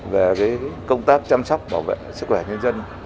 về công tác chăm sóc bảo vệ sức khỏe nhân dân